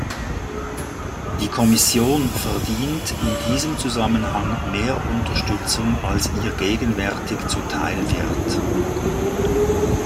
Die Kommission verdient in diesem Zusammenhang mehr Unterstützung als ihr gegenwärtig zuteil wird.